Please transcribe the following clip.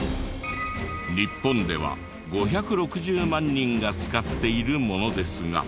日本では５６０万人が使っているものですが。